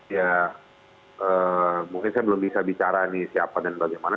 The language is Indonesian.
ya mungkin saya belum bisa bicara nih siapa dan bagaimana